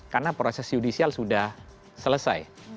karena proses judicial sudah selesai